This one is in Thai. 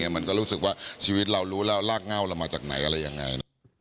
มันก็รู้สึกว่าชีวิตเรารู้แล้วรากเง่าเรามาจากไหนอะไรยังไง